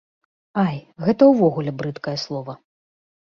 Ай, гэта ўвогуле брыдкае слова.